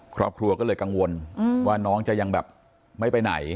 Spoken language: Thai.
ครอบครัวก็เลยกังวลว่าน้องจะยังแบบไม่ไปไหน